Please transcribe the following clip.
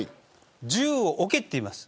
銃を置けと言います。